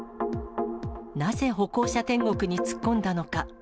なぜ歩行者天国に突っ込んだのか。